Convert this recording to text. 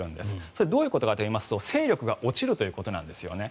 それ、どういうことかというと勢力が落ちるということなんですね。